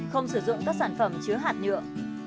không sử dụng các sản phẩm chứa hạt nhựa